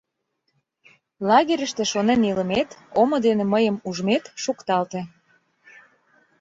Лагерьыште шонен илымет, омо дене мыйым ужмет шукталте.